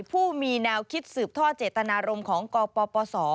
ผู้มีแนวคิดสืบท่อเจตนารมณ์ของกปศ